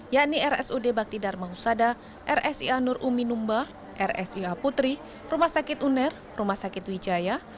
yakni rsud bakti dharma husada rsia nur uminumba rsua putri rumah sakit uner rumah sakit wijaya